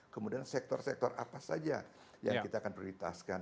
kemudian sektor sektor apa saja yang kita akan prioritaskan